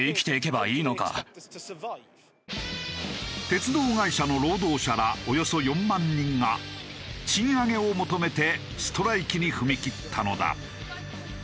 鉄道会社の労働者らおよそ４万人が賃上げを求めてストライキに踏み切ったのだ。